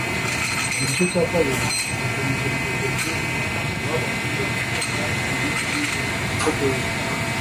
Mu gice cya kabiri afatanyije na bagenzi be babashije gutsinda ibindi bitego bibiri